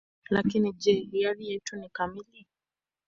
Lakini je, hiari yetu ni kamili?